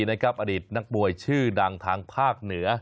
อดีตนักมวยชื่อดังทางภาคเหนือ